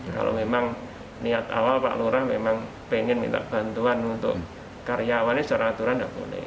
kalau memang niat awal pak lurah memang pengen minta bantuan untuk karyawannya secara aturan tidak boleh